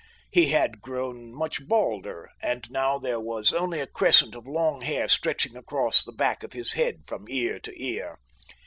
He had grown much balder and now there was only a crescent of long hair stretching across the back of his head from ear to ear.